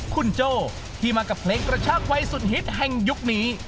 คุณโจ้ที่มากับเพลงกระชากวัยสุดฮิตแห่งยุคนี้